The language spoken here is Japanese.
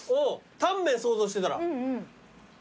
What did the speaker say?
タンメン想像してたら。